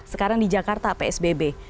sekarang di jakarta psbb